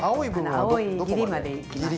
青いギリまでいきます。